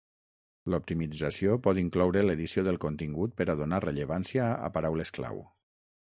L'optimització pot incloure l'edició del contingut per a donar rellevància a paraules clau.